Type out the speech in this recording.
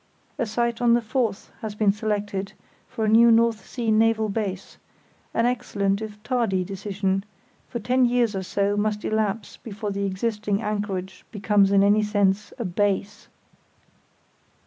A site on the Forth has been selected for a new North Sea naval base—an excellent if tardy decision; for ten years or so must elapse before the existing anchorage becomes in any sense a "base".